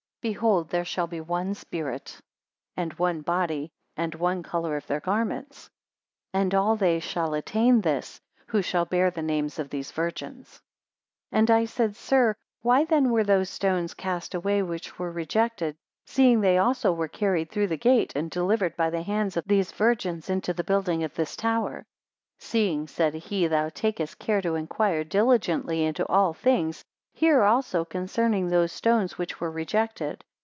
Behold there shall be one spirit, and one body, and one colour of their garments; and all they shall attain this, who shall bear the names of these virgins. 127 And I said, Sir, why then were those stones cast away which were rejected, seeing they also were carried through the gate, and delivered by the hands of these virgins into the building of this tower? 128 Seeing, said he thou takest care to inquire diligently into all things, hear also concerning those stones which were rejected.